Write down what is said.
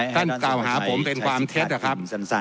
กล่าวหาผมเป็นความเท็จนะครับ